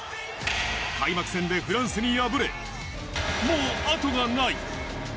開幕戦でフランスに敗れ、もう後がない。